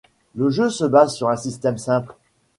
Le jeu se base sur un système simple.